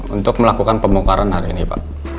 untuk melakukan pembongkaran hari ini pak